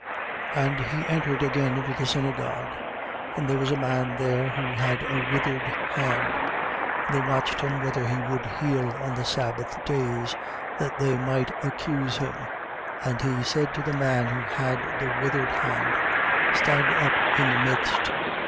3:1. And he entered again into the synagogue: and there was a man there who had a withered hand. 3:2. And they watched him whether he would heal on the sabbath days, that they might accuse him. 3:3. And he said to the man who had the withered hand: Stand up in the midst.